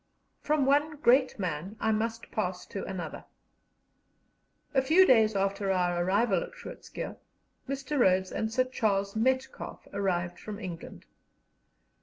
From one great man I must pass to another. A few days after our arrival at Groot Schuurr, Mr. Rhodes and Sir Charles Metcalfe arrived from England.